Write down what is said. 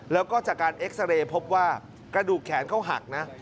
แล้วก็จากการเอ็กซาเรย์พบว่ากระดูกแขนเขาหักนะ